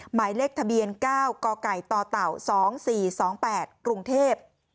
หมายเลขทะเบียน๙กกต๒๔๒๘กรุงเทพ